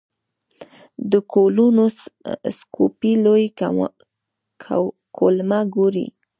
د کولونوسکوپي لوی کولمه ګوري.